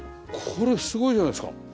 これすごいじゃないですか。